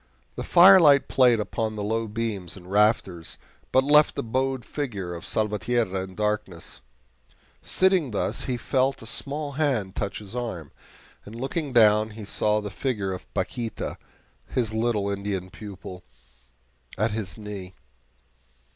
The firelight played upon the low beams and rafters, but left the bowed figure of Salvatierra in darkness. Sitting thus, he felt a small hand touch his arm, and looking down, saw the figure of Paquita, his little Indian pupil, at his knee.